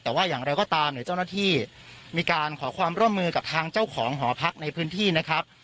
แต่ว่าอย่างไรก็ตามเนี่ยเจ้าหน้าที่มีการขอความร่วมมือกับทางเจ้าของหอพักในพื้นที่นะครับ